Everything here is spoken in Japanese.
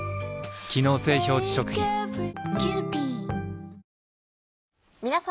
機能性表示食品皆様。